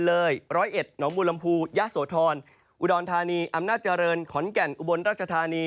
ร้อยเอ็ดหนองบูรมภูยะโสธรอุดรธานีอำนาจเจริญขอนแก่นอุบลราชธานี